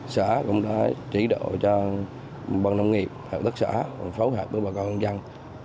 xã cũng đã chỉ đạo cho bọn nông nghiệp hợp tác xã phối hợp với bà con dân